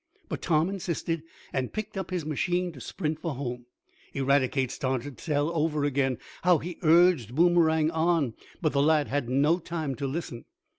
But Tom insisted, and picked up his machine to sprint for home. Eradicate started to tell over again, how he urged Boomerang on, but the lad had no time to listen.